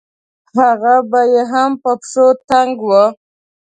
هغه به يې هم په پښو تنګ وو.